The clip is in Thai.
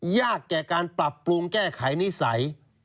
แก่การปรับปรุงแก้ไขนิสัย